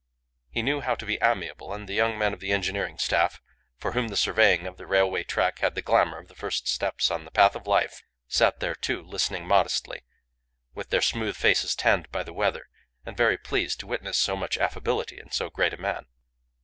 He knew how to be amiable; and the young men of the engineering staff, for whom the surveying of the railway track had the glamour of the first steps on the path of life, sat there, too, listening modestly, with their smooth faces tanned by the weather, and very pleased to witness so much affability in so great a man.